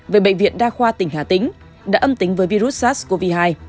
về bệnh viện đa khoa tỉnh hà tĩnh đã âm tính với virus sars cov hai